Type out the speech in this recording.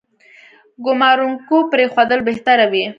ګومارونکو پرېښودل بهتره وي.